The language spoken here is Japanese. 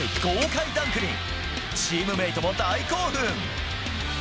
豪快ダンクにチームメートも大興奮！